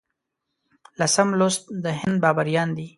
لسم لوست د هند بابریان دي.